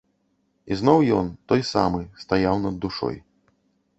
І зноў ён, той самы, стаяў над душой.